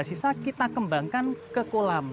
masih ada sisa kita kembangkan ke kolam